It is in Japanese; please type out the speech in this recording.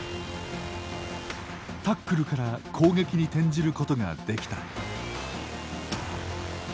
タックルから攻撃に転じることができた。